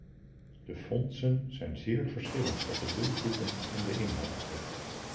De fondsen zijn zeer verschillend wat de doelgroepen en de inhoud betreft.